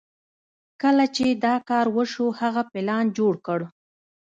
کله چې دا کار وشو هغه پلان جوړ کړ.